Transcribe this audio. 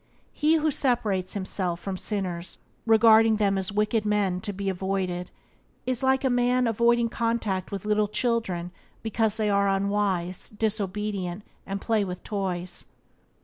He who separates himself from sinners, regarding them as wicked men to be avoided, is like a man avoiding contact with little children because they are unwise, disobedient, and play with toys.